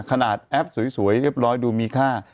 แอปสวยเรียบร้อยดูมีค่า